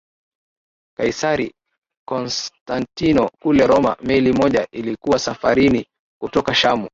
Kaisari Konstantino kule Roma meli moja ilikuwa safarini kutoka Shamu